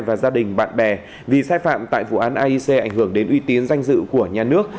và gia đình bạn bè vì sai phạm tại vụ án aic ảnh hưởng đến uy tín danh dự của nhà nước